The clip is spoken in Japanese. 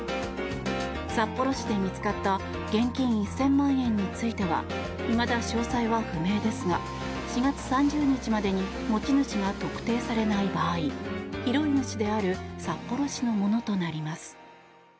札幌市で見つかった現金１０００万円についてはいまだ詳細は不明ですが４月３０日までに持ち主が特定されない場合拾い主である札幌市のものとなります。